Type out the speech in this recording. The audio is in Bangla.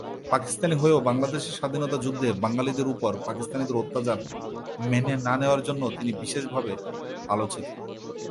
পাকিস্তানি হয়েও বাংলাদেশের স্বাধীনতা যুদ্ধে বাঙালিদের ওপর পাকিস্তানের অত্যাচার মেনে না নেওয়ার জন্য তিনি বিশেষভাবে আলোচিত।